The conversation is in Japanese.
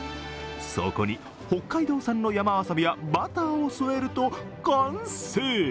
そこに北海道産の山わさびやバターを添えると完成。